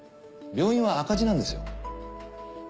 病院は赤字なんですよ。